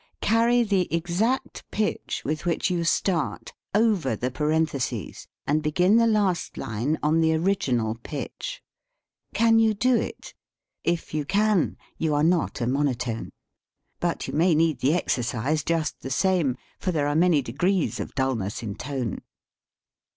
Carry the exact pitch, with which you start, over the parentheses, and begin the last line on the 48 STUDY IN CHANGE OF PITCH original pitch. Can you do it ? If you can you are not a monotone. But you may need the exercise just the same, for there are many degrees of dulness in tone.